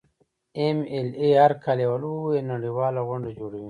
ایم ایل اې هر کال یوه لویه نړیواله غونډه جوړوي.